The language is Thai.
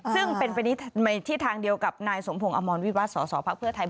ซึ่งเป็นไปที่ทางเดียวกับนายสมพงศ์อมรวิวาสสภพไทย